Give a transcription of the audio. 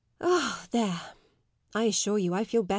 There! I assure you I feel better.